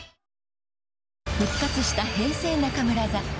復活した「平成中村座」。